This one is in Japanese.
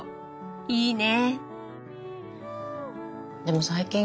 いいね！